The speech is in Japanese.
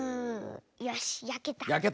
よしやけた。